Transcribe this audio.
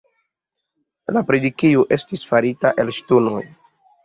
La predikejo estis farita el ŝtonoj.